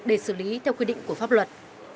để xử lý theo quy định của pháp luật